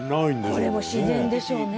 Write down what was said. これも自然でしょうね。